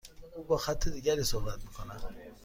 او با خط دیگری صحبت میکند.